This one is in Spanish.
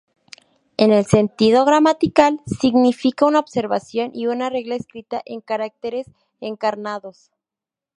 En el sentido gramatical, significa una observación y una regla escrita en caracteres encarnados.